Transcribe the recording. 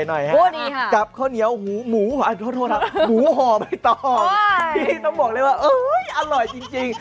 พูดดีค่ะกับข้าวเนี้ยวหูหมูโทษครับหมูห่อไปต่อต้องบอกเลยว่าอร่อยจริง